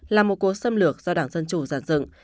là một cố xâm lược do đảng dân chủ giàn dựng